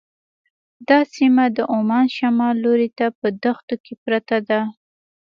دا سیمه د عمان شمال لوري ته په دښتو کې پرته ده.